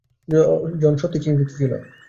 জন সত্যিই চিন্তিত ছিল।